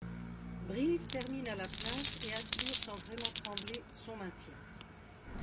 Brive termine à la place et assure sans vraiment trembler son maintien.